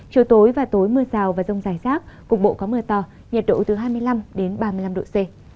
chiều tối và tối mưa rào và rông dài rác cục bộ có mưa to nhiệt độ từ hai mươi năm đến ba mươi năm độ c